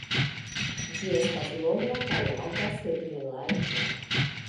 Ĝi estas longa kaj alta sed ne larĝa.